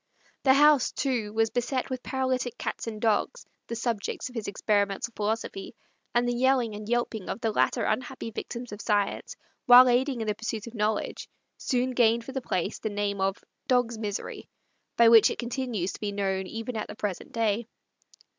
The house, too, was beset with paralytic cats and dogs, the subjects of his experimental philosophy; and the yelling and yelping of the latter unhappy victims of science, while aiding in the pursuit of knowledge, soon gained for the place the name of "Dog's Misery," by which it continues to be known even at the present day.